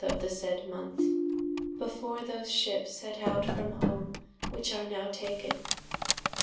of the saide moneth, before those ships set out from home, which are now taken.